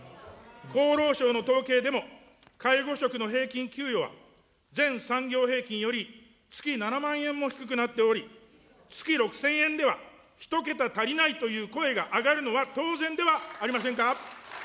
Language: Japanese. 厚労省の統計でも、介護職の平均給与は全産業平均より月７万円も低くなっており、月６０００円では１桁足りないという声が上がるのは当然ではありませんか。